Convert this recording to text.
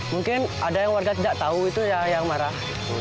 mungkin ada yang warga tidak tahu itu ya yang marah